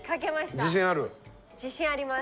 自信あります。